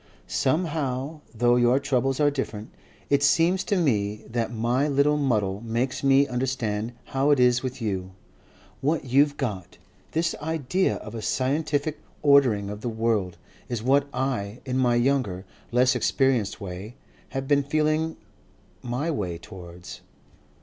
Somehow though your troubles are different, it seems to me that my little muddle makes me understand how it is with you. What you've got, this idea of a scientific ordering of the world, is what I, in my younger, less experienced way, have been feeling my way towards.